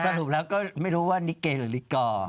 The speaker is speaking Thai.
สรุปแล้วก็ไม่รู้ว่าลิเกหรือลิกอร์